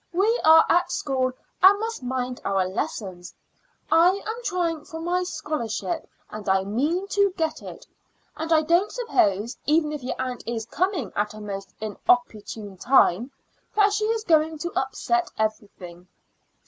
We are at school and must mind our lessons. I am trying for my scholarship, and I mean to get it. And I don't suppose, even if your aunt is coming at a most inopportune time, that she is going to upset everything."